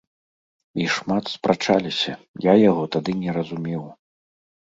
І шмат спрачаліся, я яго тады не разумеў.